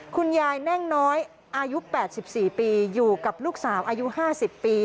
คุณแม่แน่งน้อยอายุ๘๔ปีอยู่กับลูกสาวอายุ๕๐ปี